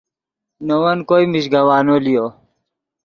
نے ون کوئے میژگوانو لیو